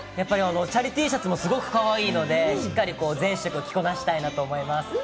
チャリＴシャツもすごくかわいいので、しっかり全色着こなしたいなと思います。